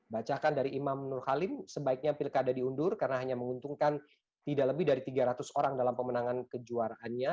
bacakan dari imam nur halim sebaiknya pilkada diundur karena hanya menguntungkan tidak lebih dari tiga ratus orang dalam pemenangan kejuaraannya